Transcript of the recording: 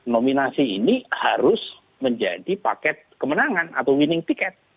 nominasi ini harus menjadi paket kemenangan atau winning ticket